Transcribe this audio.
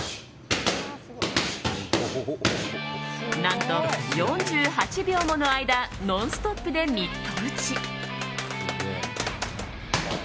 何と４８秒もの間ノンストップでミット打ち！